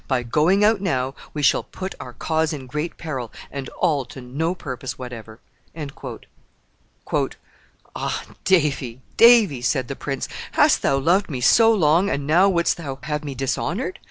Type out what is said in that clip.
By going out now we shall put our cause in great peril, and all to no purpose whatever." "Ah! Davy, Davy," said the prince, "hast thou loved me so long, and now wouldst thou have me dishonored?